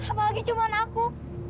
apalagi cuma aku